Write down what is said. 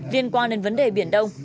liên quan đến vấn đề biển đông